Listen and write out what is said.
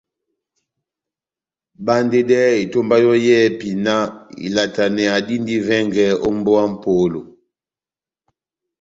Bandedɛhɛ etomba yɔ́ yɛ́hɛ́pi náh ilataneya dindi vɛngɛ ó mbówa ya mʼpolo !